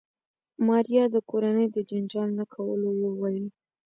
ماريا د کورنۍ د جنجال نه کولو وويل.